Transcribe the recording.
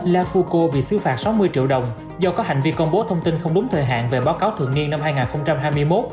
la foucault bị xử phạt sáu mươi triệu đồng do có hành vi công bố thông tin không đúng thời hạn về báo cáo thượng nghiên năm hai nghìn hai mươi một